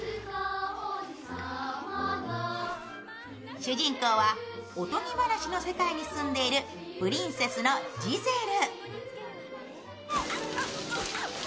主人公は、おとぎ話の世界に住んでいるプリンセスのジゼル。